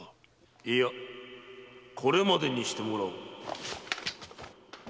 ・いやこれまでにしてもらおう！